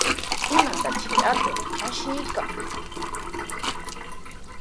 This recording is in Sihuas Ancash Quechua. ¿Imatashi atuq ashirqan?